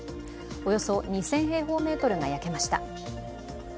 およそ２０００平方メートルが焼けました。